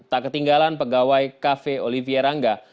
tak ketinggalan pegawai cafe olivier rangga